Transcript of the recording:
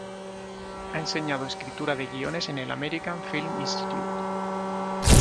Ha enseñado escritura de guiones en el American Film Institute.